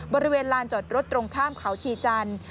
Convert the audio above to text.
บริเวณลานจอดรถตรงข้ามเขาชีจันทร์